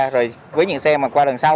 rồi với những xe mà qua lần sau